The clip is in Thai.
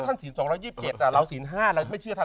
ก็ท่านศีลสองร้อยยิบเจ็ดแต่เราศีลห้าเราไม่เชื่อท่าน